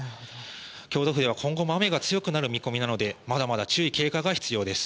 京都府では今後も雨が強くなる見込みなので今後も注意・警戒が必要です。